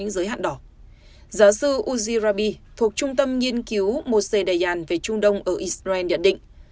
giáo sư uzi rabi thuộc trung tâm nghiên cứu moshe dayan về trung đông ở israel nhận định